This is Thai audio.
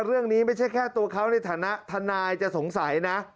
ไม่ใช่แค่ตัวเขาในฐานะทนายจะสงสัยนะ